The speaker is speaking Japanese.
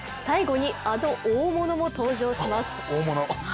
最後に、あの大物も登場します。